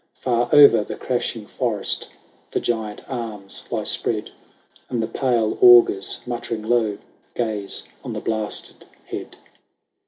Far o'er the crashing forest The giant arms lie spread ; And the pale augurs, muttering low. Gaze on the blasted head.